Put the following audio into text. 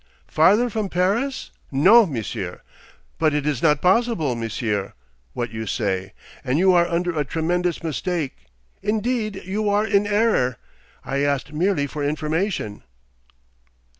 'Farther from Paris? No, Monsieur. But it is not possible, Monsieur, what you say, and you are under a tremendous mistake.... Indeed you are in error.... I asked merely for information....